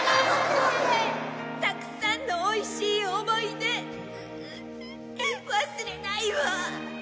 たくさんのおいしい思い出ウウッ忘れないわ！